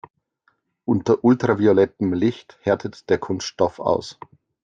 Unter ultraviolettem Licht härtet der Kunststoff aus.